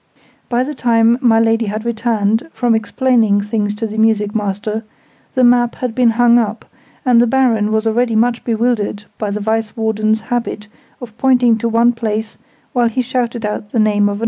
By the time my Lady had returned, from explaining things to the music master, the map had been hung up, and the Baron was already much bewildered by the Vice Warden's habit of pointing to one place while he shouted out the name of another.